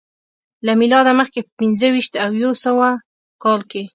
له میلاده مخکې په پنځه ویشت او یو سوه کال کې